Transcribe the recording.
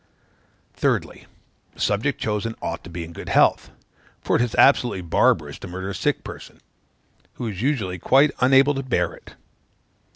Thirdly. The subject chosen ought to be in good health: for it is absolutely barbarous to murder a sick person, who is usually quite unable to bear it.